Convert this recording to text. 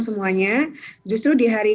semuanya justru di hari